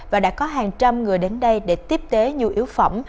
và đã có hàng trăm người đến đây để tiếp tế nhu yếu phẩm